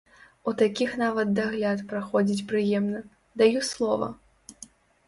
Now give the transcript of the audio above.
У такіх нават дагляд праходзіць прыемна, даю слова!